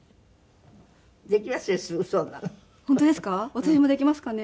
私もできますかね？